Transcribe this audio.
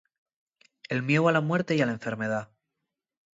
El mieu a la muerte y a la enfermedá.